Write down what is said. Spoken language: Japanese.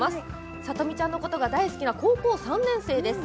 さとみちゃんのことが大好きな高校３年生です。